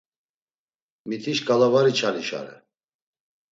Miti şkala var içalişare.